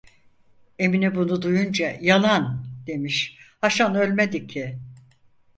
Emine bunu duyunca: 'Yalan!' demiş, 'Haşan ölmedi ki!"